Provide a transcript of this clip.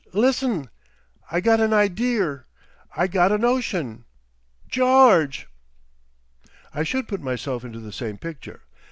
list'n! I got an ideer. I got a notion! George!" I should put myself into the same picture.